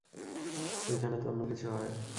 ঐখানে তো অন্যকিছু হয়।